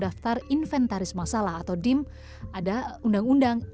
dpr ri mengambil keputusan untuk mengubah dpr ri